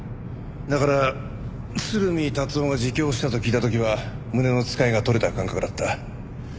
だから鶴見達男が自供したと聞いた時は胸のつかえが取れた感覚だった。